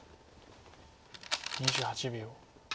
２８秒。